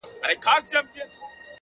قرآن، انجیل، تلمود، گیتا به په قسم نیسې،